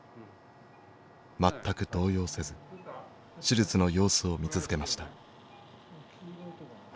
全く動揺せず手術の様子を見続けました。